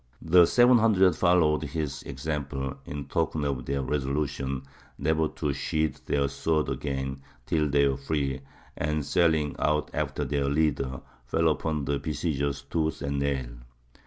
The seven hundred followed his example, in token of their resolution never to sheathe their swords again till they were free, and, sallying out after their leader, fell upon the besiegers tooth and nail.